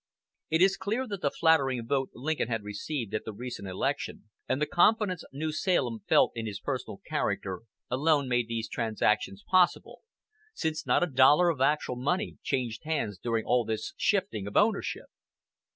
It is clear that the flattering vote Lincoln had received at the recent election, and the confidence New Salem felt in his personal character, alone made these transactions possible, since not a dollar of actual money changed hands during all this shifting of ownership.